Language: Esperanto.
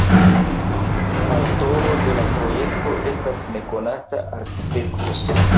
Aŭtoro de la projekto estas nekonata arkitekto.